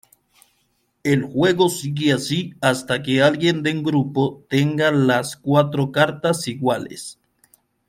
El juego sigue así hasta que alguien del grupo tenga las cuatro cartas iguales.